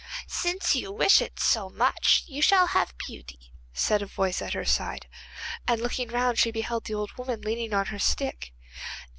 'Since you wish it so much you shall have beauty,' said a voice at her side, and looking round she beheld the old woman leaning on her stick.